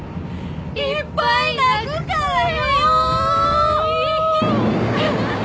いっぱい泣くからよ。